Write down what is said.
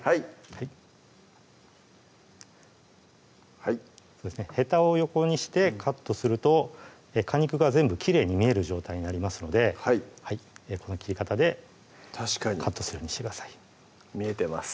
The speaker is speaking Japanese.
はいはいへたを横にしてカットすると果肉が全部きれいに見える状態になりますのでこの切り方でカットするようにしてください見えてます